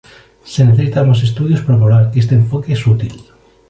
Se necesitan más estudios para probar que este enfoque es útil.